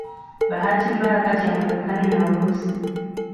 bahati mbaya kati ya Marekani na Urusi